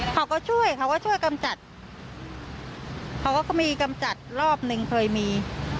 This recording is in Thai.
เขาก็ช่วยเขาก็ช่วยกำจัดเขาก็เขามีกำจัดรอบหนึ่งเคยมี